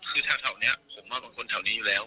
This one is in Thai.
คือเฉาเท่านี้ผมว่าบางคนเฉานี้อยู่แล้ว